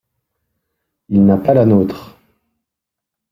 Il n’a pas la nôtre.